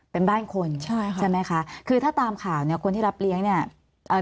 เป็นบ้านคนใช่ค่ะใช่ไหมคะคือถ้าตามข่าวเนี้ยคนที่รับเลี้ยงเนี้ยเอ่อ